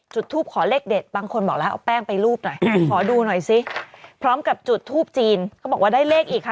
จุดทูปขอเลขเด็ดบางคนบอกแล้วเอาแป้งไปรูปหน่อยขอดูหน่อยซิพร้อมกับจุดทูปจีนเขาบอกว่าได้เลขอีกค่ะ